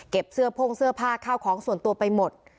เสื้อโพ่งเสื้อผ้าข้าวของส่วนตัวไปหมด